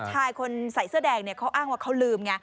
ชายใส่เสื้อแดงอ้างว่าเขาลืม